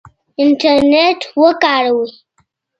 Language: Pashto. انټرنیټ وکاروئ.